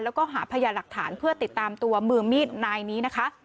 แล้วก็หาพยาหลักฐานเพื่อติดตามตัวมือมีดนายนี้นะคะ